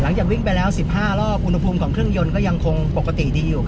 หลังจากวิ่งไปแล้ว๑๕รอบอุณหภูมิของเครื่องยนต์ก็ยังคงปกติดีอยู่